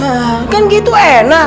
hah kan gitu enak